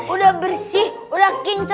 udah bersih sudah king banget ya ya